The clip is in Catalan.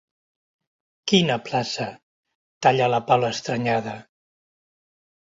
Quina plaça? –talla la Paula estranyada.